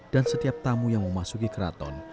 dan setiap tamu yang memasuki keraton